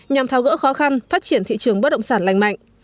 nhằm tháo gỡ khó khăn phát triển thị trường bất động sản lành mạnh